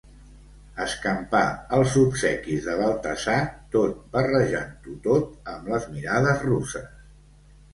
Escampar els obsequis de Baltasar tot barrejant-ho tot amb les mirades russes.